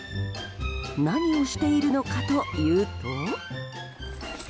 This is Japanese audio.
何をしているのかというと。